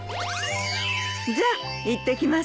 じゃあいってきます。